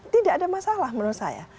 tidak ada masalah menurut saya